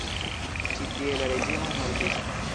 Ĉi-tie la reĝino mortis.